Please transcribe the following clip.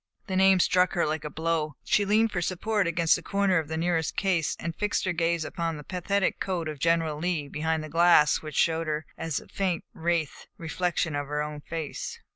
The name struck her like a blow. She leaned for support against the corner of the nearest case, and fixed her gaze on the pathetic coat of General Lee behind the glass which showed her as a faint wraith the reflection of her own face.